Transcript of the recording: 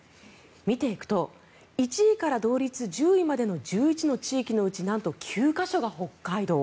見ていくと１位から同率１０位までの１１の地域のうちなんと９か所が北海道。